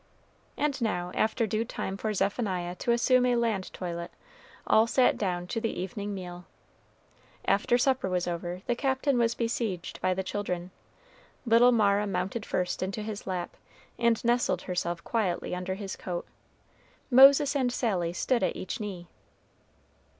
And now, after due time for Zephaniah to assume a land toilet, all sat down to the evening meal. After supper was over, the Captain was besieged by the children. Little Mara mounted first into his lap, and nestled herself quietly under his coat Moses and Sally stood at each knee.